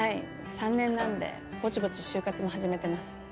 ３年なんでぼちぼち就活も始めてます。